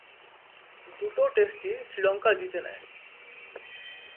দুটো টেস্টই শ্রীলঙ্কা জিতে নেয়।